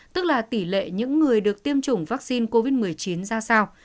tức là tỷ lệ những người được tiêm chủng vaccine covid một mươi chín ra sao